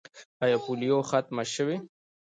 آیا پولیو ختمه شوې؟